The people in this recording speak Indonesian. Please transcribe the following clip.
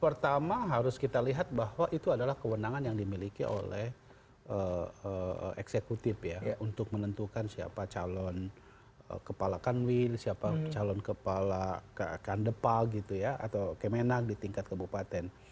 pertama harus kita lihat bahwa itu adalah kewenangan yang dimiliki oleh eksekutif ya untuk menentukan siapa calon kepala kanwil siapa calon kepala kandepal gitu ya atau kemenak di tingkat kabupaten